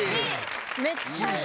めっちゃいい。